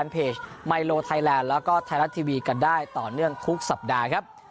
โปรดติดตามตอนต่อไป